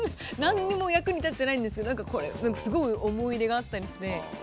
何にも役に立ってないんですけど何かこれ何かすごい思い入れがあったりして。